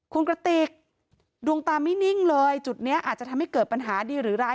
คุณกระติกดวงตาไม่นิ่งเลยจุดนี้อาจจะทำให้เกิดปัญหาดีหรือร้าย